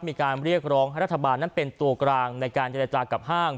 มีการเรียกร้องให้รัฐบาลนั้นเป็นตัวกลางในการเจรจากับห้าง